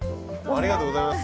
ありがとうございます。